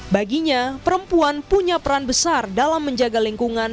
baginya perempuan punya peran besar dalam menjaga lingkungan